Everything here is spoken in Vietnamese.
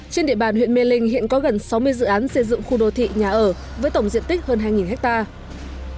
trên địa bàn huyện mê linh hiện có gần sáu mươi dự án xây dựng khu đô thị nhà ở với tổng diện tích hơn hai hectare